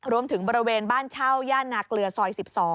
บริเวณบ้านเช่าย่านนาเกลือซอย๑๒